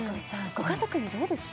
ご家族にどうですか？